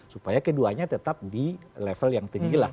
supaya keduanya tetap di level yang tinggi lah